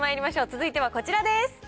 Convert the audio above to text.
続いてはこちらです。